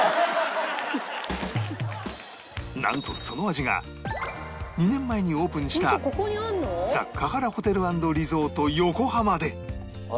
なんとその味が２年前にオープンしたザ・カハラ・ホテル＆リゾート横浜で！